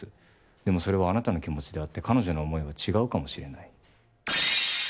でもそれはあなたの気持ちであって彼女の思いと違うかもしれない。